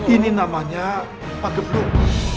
ini namanya pak geblung